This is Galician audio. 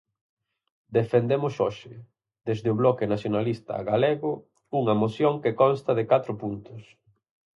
Defendemos hoxe, desde o Bloque Nacionalista Galego, unha moción que consta de catro puntos.